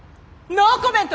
ノーコメント。